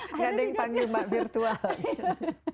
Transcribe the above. gak ada yang panggil mbak virtual